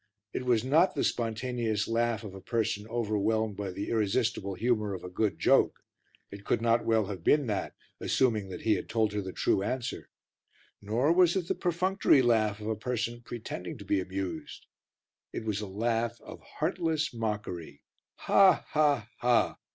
It was not the spontaneous laugh of a person overwhelmed by the irresistible humour of a good joke, it could not well have been that, assuming that he had told her the true answer; nor was it the perfunctory laugh of a person pretending to be amused. It was a laugh of heartless mockery. "Ha, ha, ha!"